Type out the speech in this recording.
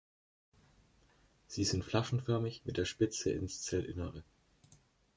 Sie sind flaschenförmig, mit der Spitze ins Zellinnere.